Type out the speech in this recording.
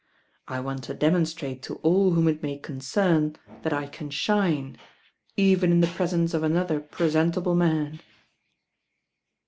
I want to demonstrate to all whom it may concern that I can shine, even in the presence of another presentable man."